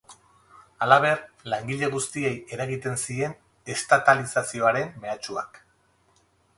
Halaber, langile guztiei eragiten zien estatalizazioaren mehatxuak.